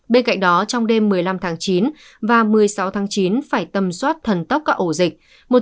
bên cạnh đó trong đêm một mươi năm tháng chín và một mươi sáu tháng chín phải tầm soát thần tốc các ổ dịch